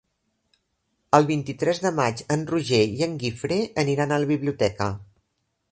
El vint-i-tres de maig en Roger i en Guifré aniran a la biblioteca.